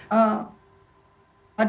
pada saat saya sama sama di